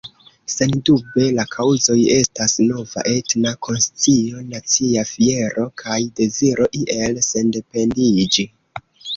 Sendube la kaŭzoj estas nova etna konscio, nacia fiero kaj deziro iel sendependiĝi.